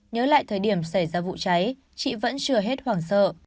nhớ lại thời điểm xảy ra vụ trái trị vẫn chưa hết hoảng sợ